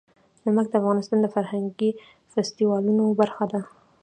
نمک د افغانستان د فرهنګي فستیوالونو برخه ده.